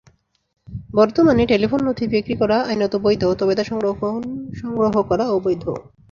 বর্তমানে টেলিফোন নথি বিক্রি করা আইনত বৈধ, তবে তা সংগ্রহ করা অবৈধ।